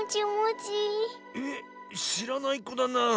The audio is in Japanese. えっしらないこだなあ。